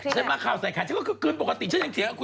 ใช่เครียด